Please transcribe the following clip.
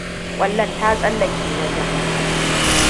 Kwallon ta tsallake wajen.